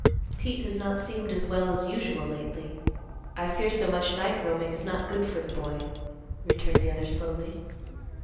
"Pete has not seemed as well as usual lately. I fear so much night roaming is not good for the boy," returned the other slowly.